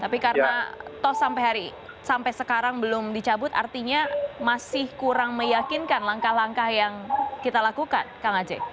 tapi karena toh sampai hari sampai sekarang belum dicabut artinya masih kurang meyakinkan langkah langkah yang kita lakukan kang aceh